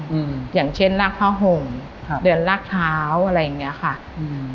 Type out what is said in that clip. อืมอย่างเช่นลากพ่อห่งค่ะเดือนลากเท้าอะไรอย่างเงี้ยค่ะอืม